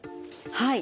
はい。